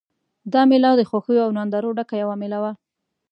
دا مېله د خوښیو او نندارو ډکه یوه مېله وه.